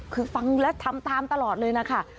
คือฟังแล้วทำตามตลอดเลยนะคะ